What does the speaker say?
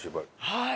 はい。